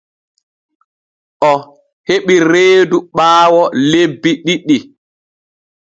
O heɓi reedu ɓaawo lebbi ɗiɗi.